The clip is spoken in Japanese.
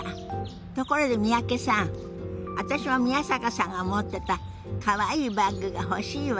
ところで三宅さん私も宮坂さんが持ってたかわいいバッグが欲しいわ。